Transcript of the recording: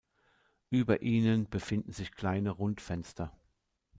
Über ihnen befinden sich kleine Rundfenster.